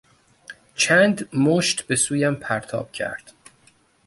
چند مشت به سویم پرتاب کرد.